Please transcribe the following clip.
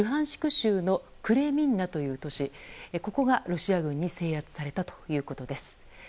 州のクレミンナという都市がロシア軍に制圧されたということです。